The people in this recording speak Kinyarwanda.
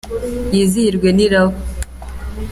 Yizihirwe n’iraba